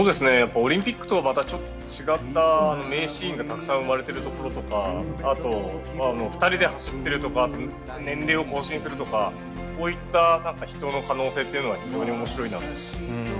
オリンピックとはちょっと違った名シーンがたくさん生まれているところとかあと、２人で走っているとか年齢を更新するとかこういった人の可能性というのが非常に面白いなと。